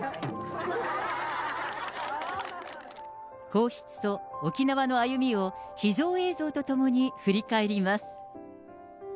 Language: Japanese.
皇室と沖縄の歩みを秘蔵映像とともに振り返ります。